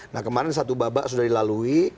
nah kemarin satu babak sudah dilalui